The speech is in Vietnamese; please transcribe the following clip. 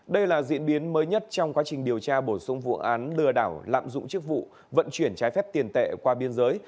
đây là diễn biến mới nhất trong quá trình điều tra bổ sung vụ án lừa đảo lạm dụng chức vụ vận chuyển trái phép tiền tệ qua biên giới